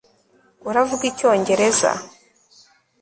uravuga icyongereza